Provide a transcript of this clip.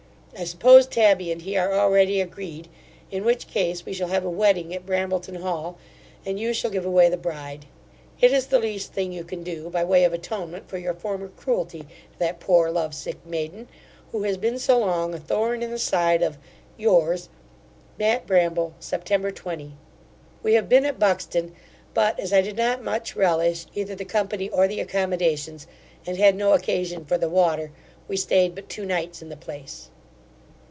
I suppose Tabby and he are already agreed; in which case, we shall have a wedding at Brambleton hall, and you shall give away the bride. It is the least thing you can do, by way of atonement for your former cruelty to that poor love sick maiden, who has been so long a thorn in the side of Yours, MATT. BRAMBLE Sept. 20. We have been at Buxton; but, as I did not much relish either the company or the accommodations, and had no occasion for the water, we stayed but two nights in the place.